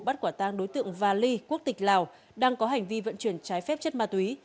bắt quả tang đối tượng và ly quốc tịch lào đang có hành vi vận chuyển trái phép chất ma túy